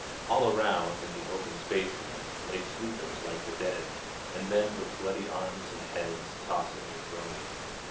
An around, in the open spaces, lay sleepers like the dead, and men with bloody arms and heads, tossing and groaning.